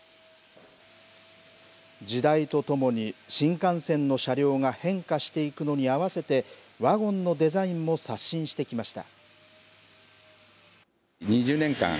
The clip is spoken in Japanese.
時代とともに新幹線の車両が変化していくのに合わせて、ワゴンのデザインも刷新してきました。